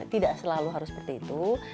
tidak selalu harus seperti itu